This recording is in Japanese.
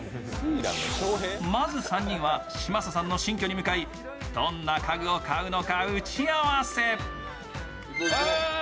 まず３人は嶋佐さんの新居に向かいどんな家具を買うのか打ち合わせ。